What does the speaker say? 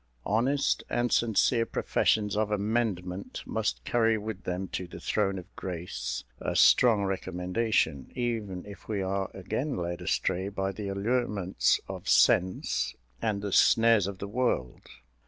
Honest and sincere professions of amendment must carry with them to the Throne of Grace a strong recommendation, even if we are again led astray by the allurements of sense and the snares of the world.